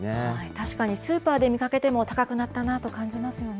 確かにスーパーで見かけても、高くなったなと感じますよね。